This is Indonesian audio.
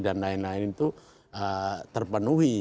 dan lain lain itu terpenuhi